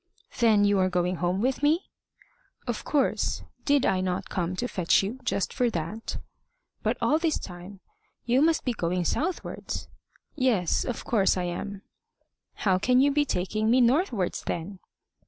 "Then you are going home with me?" "Of course. Did I not come to fetch you just for that?" "But all this time you must be going southwards." "Yes. Of course I am." "How can you be taking me northwards, then?"